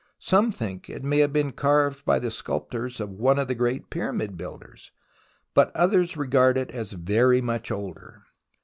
Some think it may have been carved by the sculptors of one of the great pyramid builders, but others regard it as very much older.